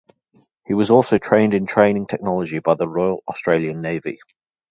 He was also trained in Training Technology by the Royal Australian Navy.